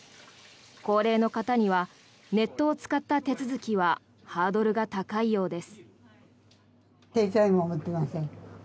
高齢の方にはネットを使った手続きはハードルが高いようです。